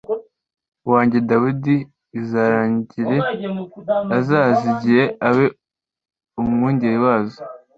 wanjye Dawidi i aziragire Azaziragira abe umwungeri wazo